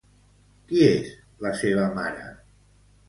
Qui és la seva mare?